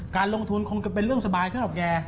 การลงทุนคงจะเป็นเรื่องสบายสำหรับแก